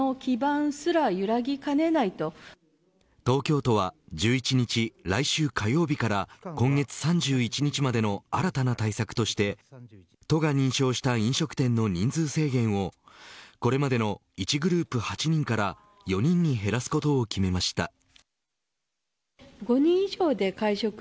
東京都は１１日来週火曜日から今月３１日までの新たな対策として都が認証した飲食店の人数制限をこれまでの１グループ８人から４人に減らすことを決めました。